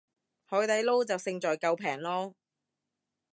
海底撈就勝在夠平囉